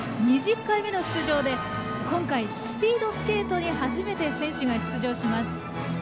２０回目の出場で今回、スピードスケートに初めて選手が出場します。